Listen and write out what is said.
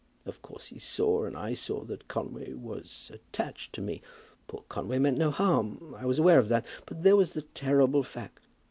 Of course he saw, and I saw, that Conway was attached to me. Poor Conway meant no harm. I was aware of that. But there was the terrible fact.